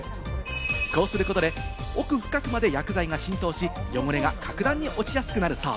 こうすることで、奥深くまで薬剤が浸透し、汚れが格段に落ちやすくなるそう。